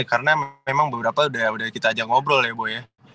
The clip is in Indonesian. karena memang beberapa udah kita ajak ngobrol ya boi ya